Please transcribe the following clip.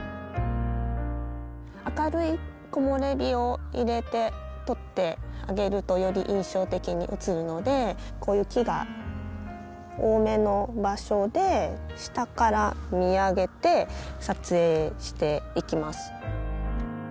明るい木漏れ日を入れて撮ってあげるとより印象的に写るのでこういう木が多めの場所で下から見上げて撮影していきます。